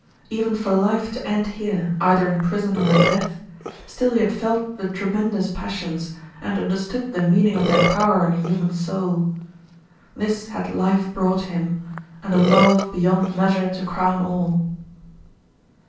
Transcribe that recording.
Even for life to end here either in prison or in death still he had felt the tremendous passions, and understood the meaning of their power in a human soul. This had life brought him, and a love beyond measure to crown all.